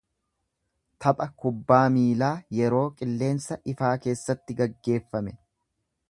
Tapha kubbaa miilaa yeroo qilleensa ifaa keessatti geggeeffame.